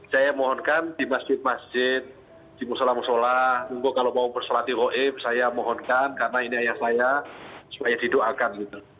saya mohon di masjid masjid di musola musola kalau mau bersalati hoib saya mohon karena ini ayah saya supaya didoakan